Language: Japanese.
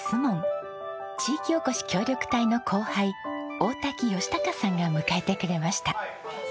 地域おこし協力隊の後輩大滝義隆さんが迎えてくれました。